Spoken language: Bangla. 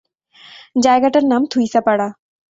জায়গাটার নাম থুইসাপাড়া।